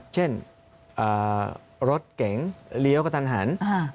เช่นรถเก่งเรียวกว่าตันหัน